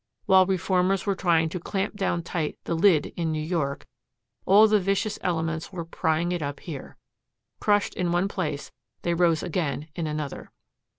While reformers were trying to clamp down tight the "lid" in New York, all the vicious elements were prying it up here. Crushed in one place, they rose again in another.